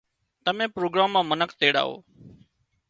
تمين پروگرام مان منک تيڙاوو